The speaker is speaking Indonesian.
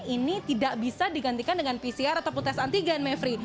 ini tidak bisa digantikan dengan pcr ataupun tes antigen mevri